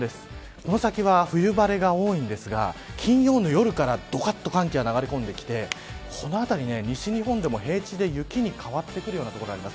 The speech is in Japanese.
この先は冬晴れが多いんですが金曜の夜からどかっと寒気が流れ込んできてこの辺り、西日本でも平地で雪に変わってくるような所があります。